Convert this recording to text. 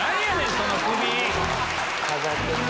その首。